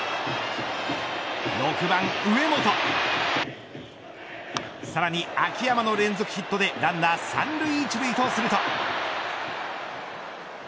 ６番上本さらに秋山の連続ヒットでランナー三塁一塁とすると。